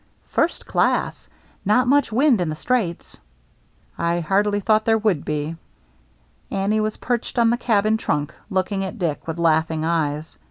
" First class. Not much wind in the Straits." " I hardly thought there would be.*' Annie was perched on the cabin trunk, look ing at Dick with laughing eyes.